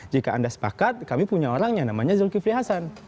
jika anda sepakat kami punya orangnya namanya zulkifli hasan